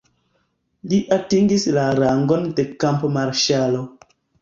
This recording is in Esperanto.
Li atingis la rangon de kampo-marŝalo.